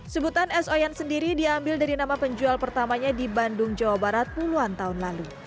sebutan es oyen sendiri diambil dari nama penjual pertamanya di bandung jawa barat puluhan tahun lalu